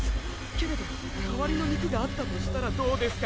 けれど代わりの筋肉があったとしたらどうですか？